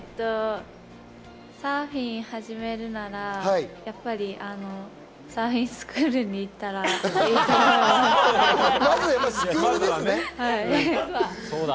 サーフィンを始めるなら、やっぱりサーフィンスクールに行ったらいいと思います。